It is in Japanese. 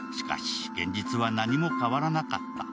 しかし現実は何も変わらなかった。